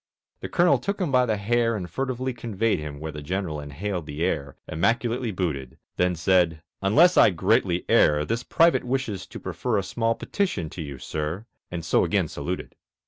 The Colonel took him by the hair And furtively conveyed him where The General inhaled the air, Immaculately booted; Then said, "Unless I greatly err This Private wishes to prefer A small petition to you, Sir," And so again saluted.